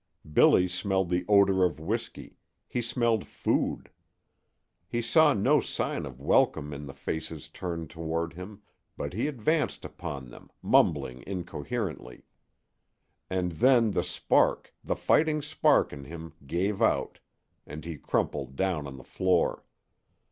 Billy smelled the odor of whisky; he smelled food. He saw no sign of welcome in the faces turned toward him, but he advanced upon them, mumbling incoherently. And then the spark, the fighting spark in him, gave out, and he crumpled down on the floor.